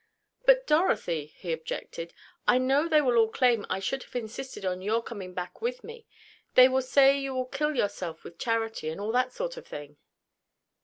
"But Dorothy," he objected, "I know they will all claim I should have insisted on your coming back with me. They will say you will kill yourself with charity, and all that sort of thing."